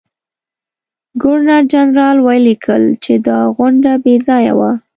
ګورنرجنرال ولیکل چې دا غونډه بې ځایه وه.